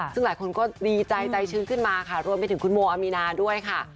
ซึ่งหลายคนก็ดีใจใจชื้นขึ้นมาค่ะรวมไปถึงคุณโมอามีนาด้วยค่ะ